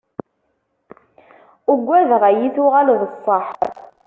Ugadeɣ ad iyi-tuɣal d ṣṣeḥ.